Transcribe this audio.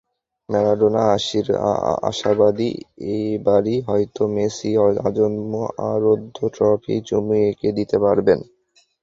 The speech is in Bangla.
ম্যারাডোনা আশাবাদী, এবারই হয়তো মেসি আজন্ম আরাধ্য ট্রফিটায় চুমু এঁকে দিতে পারবেন।